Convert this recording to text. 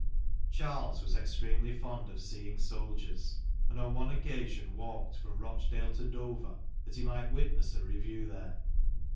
Charles was extremely fond of seeing soldiers, and on one occasion walked from Rochdale to Dover that he might witness a review there.